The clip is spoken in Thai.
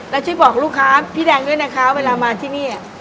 แล้วช่วยบอกลูกค้าพี่แดงด้วยนะคะเวลามาที่นี่